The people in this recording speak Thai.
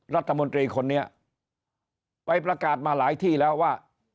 รัฐมนตรีคนนี้ไปประกาศมาหลายที่แล้วว่า